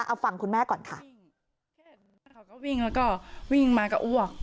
เอาฟังคุณแม่ก่อนค่ะเขาก็วิ่งแล้วก็วิ่งมาก็อ้วก